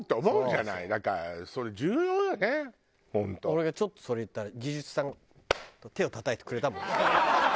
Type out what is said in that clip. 俺がちょっとそれ言ったら技術さんが手をたたいてくれたもん。